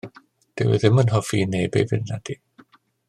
Dyw e ddim yn hoffi i neb ei feirniadu.